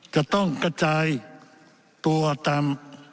จะต้องกระจายตัวตาม